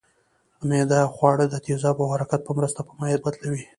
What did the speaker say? معده خواړه د تیزابو او حرکت په مرسته په مایع بدلوي